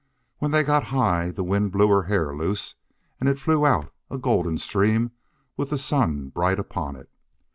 When they got high the wind blew her hair loose and it flew out, a golden stream, with the sun bright upon it.